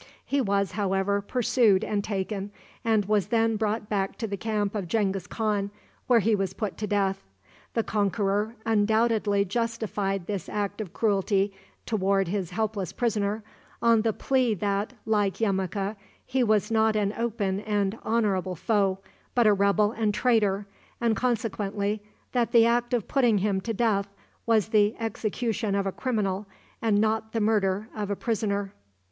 He was, however, pursued and taken, and was then brought back to the camp of Genghis Khan, where he was put to death. The conqueror undoubtedly justified this act of cruelty toward his helpless prisoner on the plea that, like Yemuka, he was not an open and honorable foe, but a rebel and traitor, and, consequently, that the act of putting him to death was the execution of a criminal, and not the murder of a prisoner.